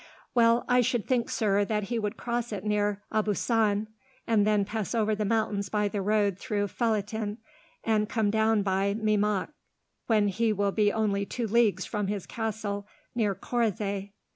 "Well, I should think, sir, that he would cross it near Aubusson, and then pass over the mountains by the road through Felletin, and come down upon Meimac, when he will be only two leagues from his castle near Correze.